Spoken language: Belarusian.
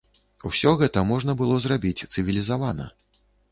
Усё гэта можна было зрабіць цывілізавана.